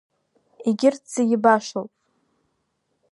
Егьырҭ зегьы башоуп.